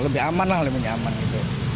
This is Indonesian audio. lebih aman lah lebih nyaman gitu